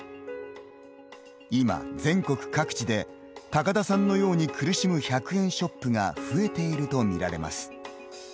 今、全国各地で高田さんのように苦しむ１００円ショップが増えていると見られます。